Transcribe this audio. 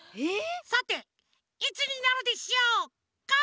さていつになるでしょうか？